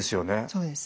そうです。